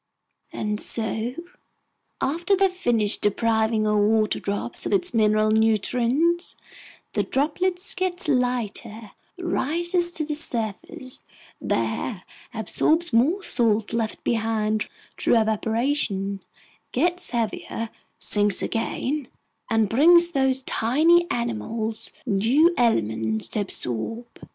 And so, after they've finished depriving our water drop of its mineral nutrients, the droplet gets lighter, rises to the surface, there absorbs more salts left behind through evaporation, gets heavier, sinks again, and brings those tiny animals new elements to absorb.